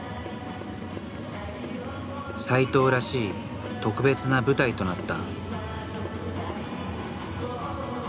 斎藤らしい特別な舞台となった。